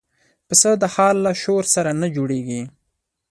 پسه د ښار له شور سره نه جوړيږي.